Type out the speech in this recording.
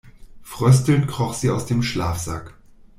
Fröstelnd kroch sie aus dem Schlafsack.